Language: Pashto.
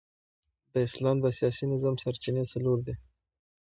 د اسلام د سیاسي نظام سرچینې څلور دي.